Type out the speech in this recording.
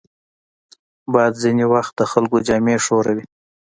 باد ځینې وخت د خلکو جامې ښوروي